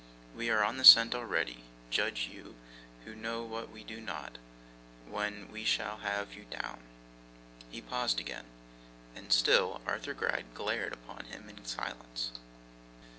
We are on the scent already; judge you, who know what we do not, when we shall have you down!' He paused again, and still Arthur Gride glared upon him in silence.